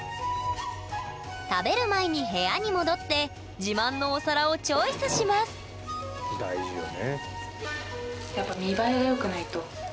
食べる前に部屋に戻って自慢のお皿をチョイスします大事よね。